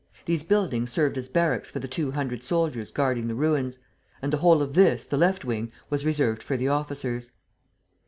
These buildings served as barracks for the two hundred soldiers guarding the ruins; and the whole of this, the left wing, was reserved for the officers.